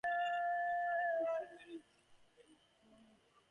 Frits Bolkestein is married to Femke Boersma, a retired Dutch actress.